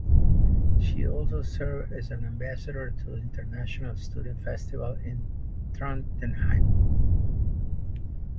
She also served as an ambassador to the International Student Festival in Trondheim.